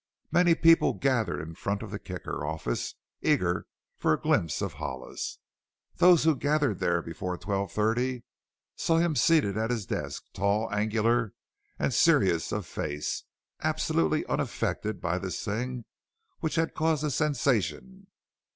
Many people gathered in front of the Kicker office, eager for a glimpse of Hollis. Those who gathered there before twelve thirty saw him seated at his desk, tall, angular, serious of face, absolutely unaffected by this thing which had caused a sensation.